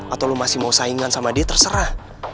atau lo masih mau saingan sama dia terserah